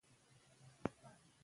د یوې ابادې او سوکاله ټولنې په هیله.